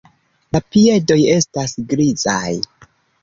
La piedoj estas grizaj.